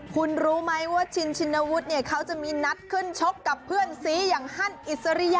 คุณรู้ไหมว่าชินชินวุฒิเนี่ยเขาจะมีนัดขึ้นชกกับเพื่อนซีอย่างฮั่นอิสริยะ